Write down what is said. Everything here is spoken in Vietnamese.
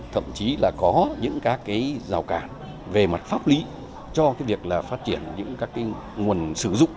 thậm chí là có những các giao cản về mặt pháp lý cho việc phát triển những nguồn sử dụng